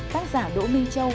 tác giả đỗ my châu